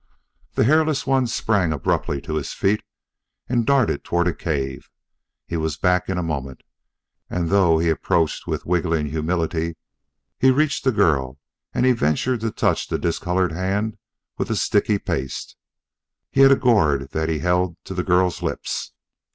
The hairless one sprang abruptly to his feet and darted toward a cave. He was back in a moment; and, though be approached with wriggling humility, he reached the girl and he ventured to touch the discolored hand with a sticky paste. He had a gourd that he held to the girl's lips.